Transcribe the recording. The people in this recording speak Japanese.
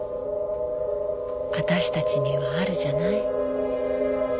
私たちにはあるじゃない。